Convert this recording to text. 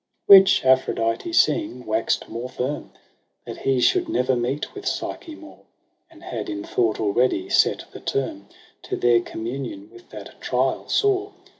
Which Aphrodite seeing, wax'd more firm That he should never meet with Psyche more ; And had in thought already set the term To their communion with that trial sore.